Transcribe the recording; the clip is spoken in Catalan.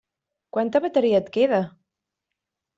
Quanta bateria et queda?